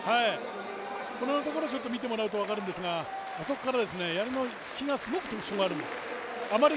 このところで見てもらうと分かるんですが、あそこからやりの引きがすごく特徴がある。